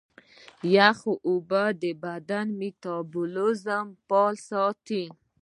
یخي اوبه د بدن میتابولیزم فعاله ساتي.